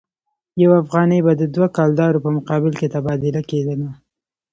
یو افغانۍ به د دوه کلدارو په مقابل کې تبادله کېدله.